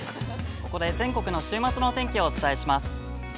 ◆ここで全国の週末のお天気をお伝えします。